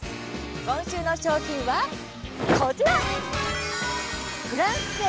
今週の商品はこちら！